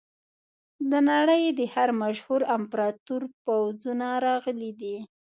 د نړۍ د هر مشهور امپراتور پوځونه راغلي دي.